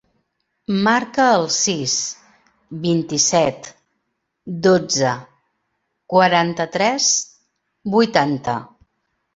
Marca el sis, vint-i-set, dotze, quaranta-tres, vuitanta.